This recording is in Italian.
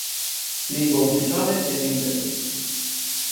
Lingua ufficiale è l'inglese.